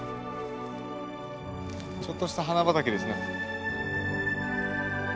ちょっとした花畑ですね。